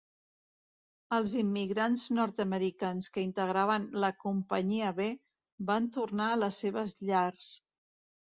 Els immigrants nord-americans que integraven la Companyia B van tornar a les seves llars.